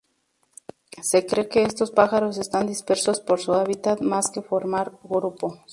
Se cree que estos pájaros están dispersos por su hábitat más que formar grupos.